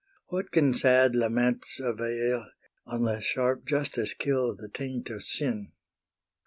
What can sad laments avail Unless sharp justice kill the taint of sin?